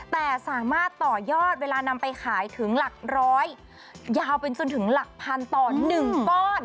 แต่สามารถต่อยอดเวลานำไปขายถึงหลักร้อยยาวเป็นจนถึงหลักพันต่อ๑ก้อน